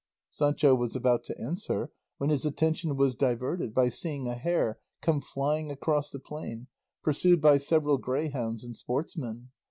Sancho was about to answer, when his attention was diverted by seeing a hare come flying across the plain pursued by several greyhounds and sportsmen.